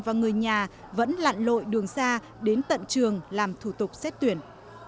và người nhà vẫn lặn lội đường xa đến tận trường làm thủ tục xét tuyển